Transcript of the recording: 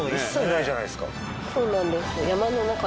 そうなんです。